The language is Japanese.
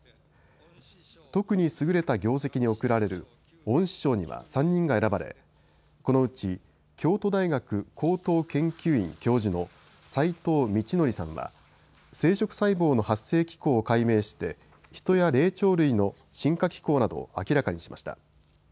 特に優れた業績に贈られる恩賜賞には３人が選ばれこのうち京都大学高等研究院教授の斎藤通紀さんは生殖細胞の発生機構を解明してヒトや霊長類の進化機構などを明らかにしました。